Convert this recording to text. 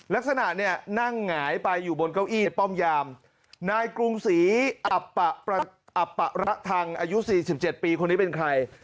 ลักษณะเนี่ยนั่งหงายไปอยู่บนเก้าอี้ป้อมยามนายกรุงศรีอับปะระทังอายุ๔๗ปีคนนี้เป็นใคร